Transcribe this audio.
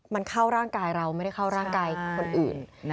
มันเข้าร่างกายเราไม่ได้เข้าร่างกายคนอื่น